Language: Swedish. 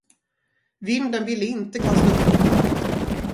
Vinden ville inte kasta upp luckan.